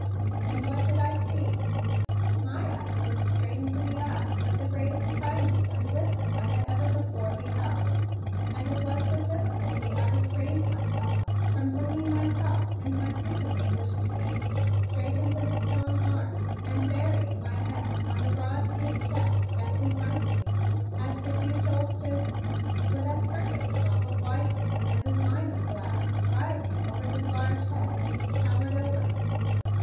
And what did I see? My eyes looked straight into eyes of the greatest kindness and wisdom I had ever before beheld, and it was with difficulty I restrained myself from flinging myself and my suit of English tweed straight into the strong arms and burying my head on the broad deep chest that confronted me as the huge old gentleman, with as perfect a mop of white hair as is mine of black, rioting over his large head, towered over me.